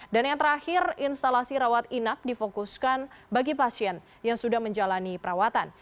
dan yang terakhir instalasi rawat inap difokuskan bagi pasien yang sudah menjalani perawatan